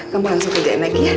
kamu langsung kerja enek ya